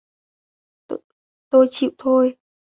tôi chịu thôi